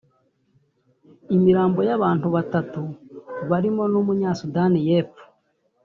Imirambo y’abantu batatu barimo n’umunya Sudani y’Epfo